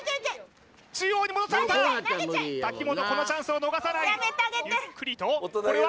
中央に戻された瀧本このチャンスを逃さないゆっくりとこれは？